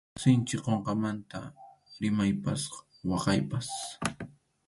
Sinchi kunkamanta rimaypas waqaypas.